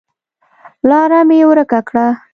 لاره مې ورکه کړه